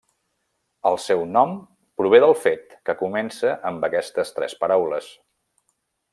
El seu nom prové del fet que comença amb aquestes tres paraules.